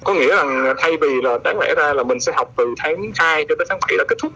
có nghĩa rằng thay vì là đáng lẽ ra là mình sẽ học từ tháng hai cho tới tháng kỳ đã kết thúc